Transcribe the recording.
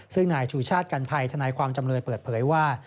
ซึ่งนายชูชาติกันภัยทนายความจำเลยเปิดเผยว่า